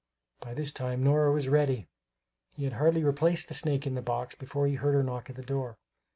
By this time Nora was ready; he had hardly replaced the snake in the box before he heard her knock at the door.